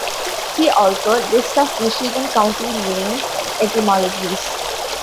"See also", List of Michigan county name etymologies.